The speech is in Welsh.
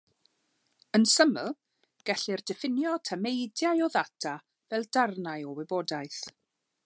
Yn syml, gellir diffinio tameidiau o ddata fel darnau o wybodaeth.